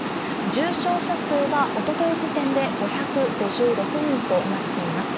重症者数はおととい時点で５５６人となっています。